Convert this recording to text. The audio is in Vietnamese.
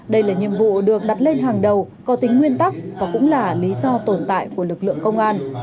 đây là nhiệm vụ được đặt lên hàng đầu có tính nguyên tắc và cũng là lý do tồn tại của lực lượng công an